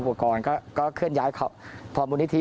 แต่ตอนนี้ติดต่อน้องไม่ได้